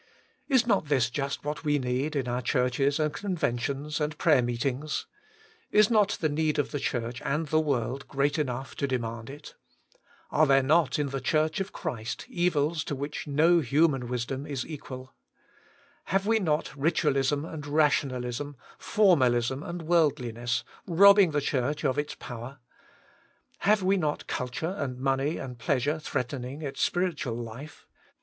Is not this just what we need in our churches and conventions and prayer meetings 1 Is not the need of the Church and the world great enough to demand it ? Are there not in the Church of Christ evils to which no human wisdem is equal ? Have we not ritualism and rationalism, formalism and worldliness, robbing the Church of its power ? Have we not culture and money and pleasure threatening its spiritual life